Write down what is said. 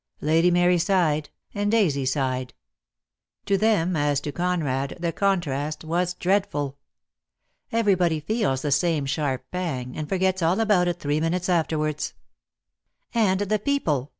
Lady Mary sighed, and Daisy sighed. To them 136 DEAD LOVE HAS CHAINS. as to Conrad the contrast was dreadful. Everybody feels the same sharp pang, and forgets all about it three minutes afterwards. "And the people?"